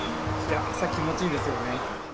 朝気持ちいいですよね。